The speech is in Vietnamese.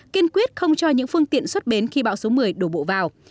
kiên quyết không cho những phương tiện xuất bến khi bão số một mươi đổ bộ vào